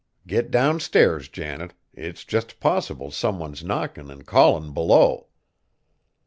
Get downstairs, Janet; it's just possible some one's knockin' an' callin' below."